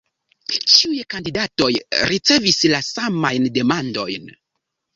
Ĉiuj kandidatoj ricevis la samajn demandojn.